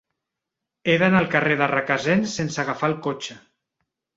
He d'anar al carrer de Requesens sense agafar el cotxe.